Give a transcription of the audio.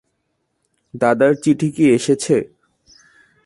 দাদার চিঠি কি এসেছে?